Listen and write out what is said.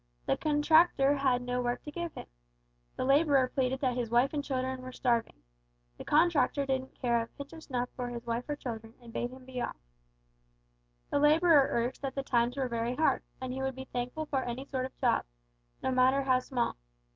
The contractor had no work to give him. The labourer pleaded that his wife and children were starving. The contractor didn't care a pinch of snuff for his wife or children, and bade him be off. The labourer urged that the times were very hard, and he would be thankful for any sort of job, no matter how small.